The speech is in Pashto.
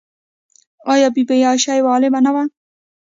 آیا بی بي عایشه یوه عالمه نه وه؟